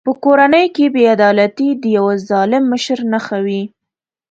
په کورنۍ کې بې عدالتي د یوه ظالم مشر نښه وي.